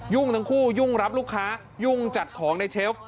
ทั้งคู่ยุ่งรับลูกค้ายุ่งจัดของในเชฟ